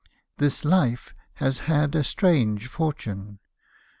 This Life has had a strange fortune.